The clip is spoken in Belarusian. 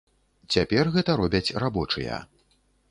Цяпер гэта робяць рабочыя.